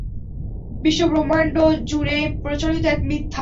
বিশ্বব্রহ্মাণ্ডজুরে প্রচলিত এক মিথ্যা।